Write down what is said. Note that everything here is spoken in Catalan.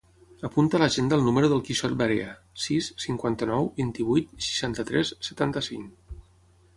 Apunta a l'agenda el número del Quixot Varea: sis, cinquanta-nou, vint-i-vuit, seixanta-tres, setanta-cinc.